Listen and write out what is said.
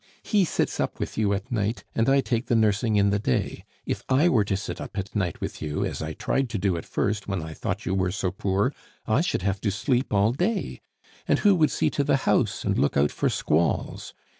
He sits up with you at night, and I take the nursing in the day. If I were to sit up at night with you, as I tried to do at first when I thought you were so poor, I should have to sleep all day. And who would see to the house and look out for squalls!